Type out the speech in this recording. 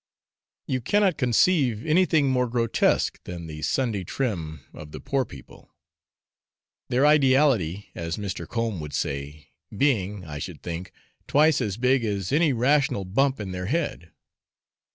You cannot conceive anything more grotesque than the Sunday trim of the poor people; their ideality, as Mr. Combe would say, being, I should think, twice as big as any rational bump in their head.